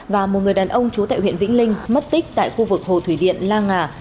và một người đàn ông trú tại huyện vĩnh linh mất tích tại khu vực hồ thủy điện la ngà